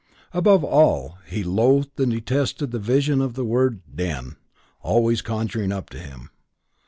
Above all, he loathed and detested the vision which the word "den" always conjured up to him.